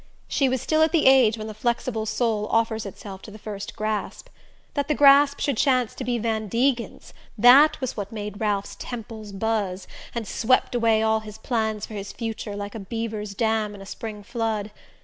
She was still at the age when the flexible soul offers itself to the first grasp. That the grasp should chance to be Van Degen's that was what made Ralph's temples buzz, and swept away all his plans for his own future like a beaver's dam in a spring flood.